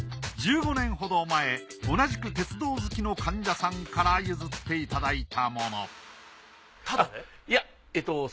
１５年ほど前同じく鉄道好きの患者さんから譲っていただいたものいやえっと